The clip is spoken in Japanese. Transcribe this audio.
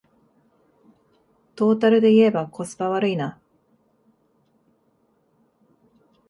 トータルでいえばコスパ悪いな